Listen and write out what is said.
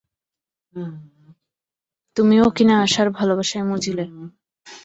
তুমিও কিনা আশার ভালোবাসায় মজিলে।